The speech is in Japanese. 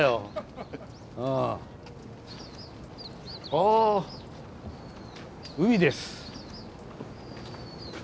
あ海です。